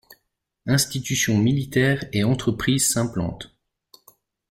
Institutions militaires et entreprises s’implantent.